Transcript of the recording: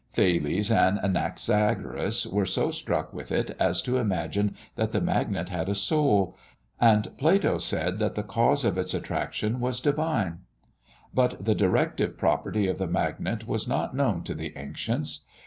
Thales and Anaxagoras were so struck with it, as to imagine that the magnet had a soul; and Plato said that the cause of its attraction was divine. But the directive property of the magnet was not known to the ancients.